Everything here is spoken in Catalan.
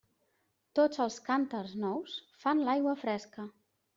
Tots els cànters nous fan l'aigua fresca.